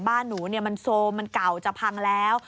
บ้านหนูมันโซมมันเก่าจะพังแล้ว